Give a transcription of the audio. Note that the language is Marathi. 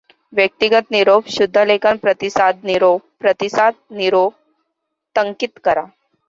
व्यक्तिगत निरोप शुद्धलेखन प्रतिसाद निरोप प्रतिसाद निरोप टंकित करा.